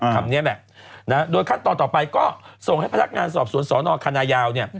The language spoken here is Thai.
คำนี้แหละโดยขั้นตอนต่อไปก็ส่งให้พนักงานสอบสวนสนคณะยาวเนี่ย